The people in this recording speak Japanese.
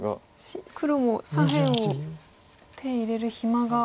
黒も左辺を手入れる暇が。